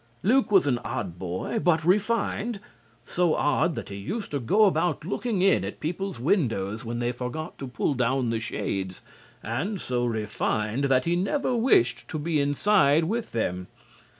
Luke was an odd boy but refined. So odd that he used to go about looking in at people's windows when they forgot to pull down the shades, and so refined that he never wished to be inside with them.